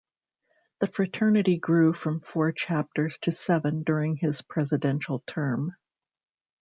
The fraternity grew from four chapters to seven during his presidential term.